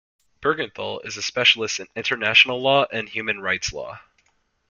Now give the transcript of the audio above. Buergenthal is a specialist in international law and human rights law.